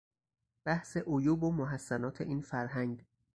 بحث عیوب و محسنات این فرهنگ